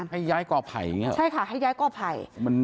ให้ย้ายก่อไผ่อย่างนี้หรอใช่ค่ะให้ย้ายก่อไผ่